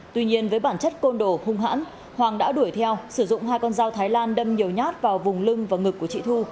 tuy nhiên với bản chất côn đồ hung hãn hoàng đã đuổi theo sử dụng hai con dao thái lan đâm nhiều nhát vào vùng lưng và ngực của chị thu